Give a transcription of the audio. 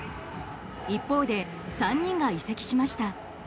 一方で、３人が移籍しました。